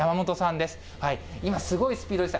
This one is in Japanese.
今、すごいスピードでした。